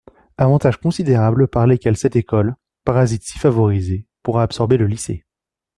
Avantages considérables par lesquels cette école, parasite si favorisée, pourra absorber le lycée.